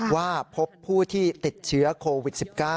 ว่าพบผู้ที่ติดเชื้อโควิด๑๙